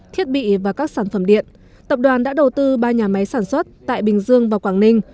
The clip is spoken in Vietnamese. thiết bị và các sản phẩm điện tập đoàn đã đầu tư ba nhà máy sản xuất tại bình dương và quảng ninh